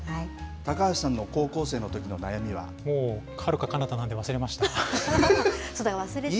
高橋さんの高校生のときの悩みははるかかなたなんで、忘れま忘れちゃいます。